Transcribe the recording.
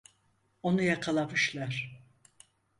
Onu yakalamışlar.